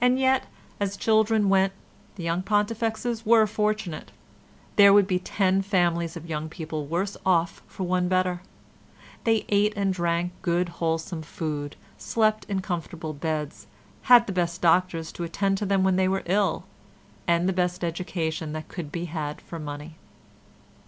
And yet, as children went, the young Pontifexes were fortunate; there would be ten families of young people worse off for one better; they ate and drank good wholesome food, slept in comfortable beds, had the best doctors to attend them when they were ill and the best education that could be had for money.